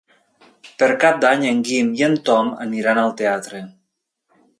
Per Cap d'Any en Guim i en Tom aniran al teatre.